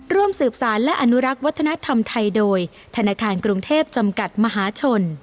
ร่วมสืบสารและอนุรักษ์วัฒนธรรมไทยโดยธนาคารกรุงเทพจำกัดมหาชน